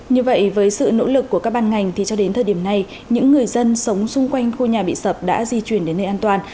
như vậy với sự nỗ lực của các ban ngành thì cho đến thời điểm này những người dân sống xung quanh khu nhà bị sập đã di chuyển đến nơi an toàn